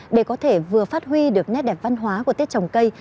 để có thể vừa phát huy được nét đẹp văn hóa của tết trồng cây